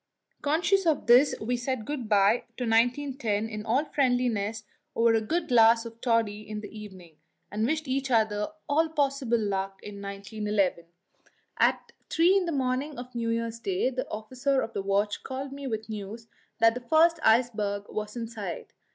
Conscious of this, we said good bye to 1910 in all friendliness over a good glass of toddy in the evening, and wished each other all possible luck in 1911. At three in the morning of New Year's Day the officer of the watch called me with news that the first iceberg was in sight.